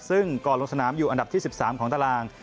ซึ่งก่อนลงสนามอยู่อันดับที่๑๓ของตาราง